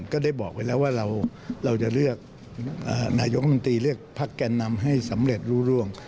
ก็ได้บอกไว้แล้วว่าเราจะเลือกนายกรรมนตรีเลือกพักแก่นำให้สำเร็จรู้ร่วง